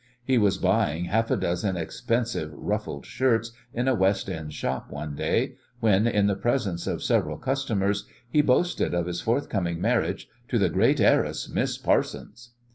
He was buying half a dozen expensive "ruffled shirts" in a West End shop one day when, in the presence of several customers, he boasted of his forthcoming marriage to "the great heiress, Miss Parsons."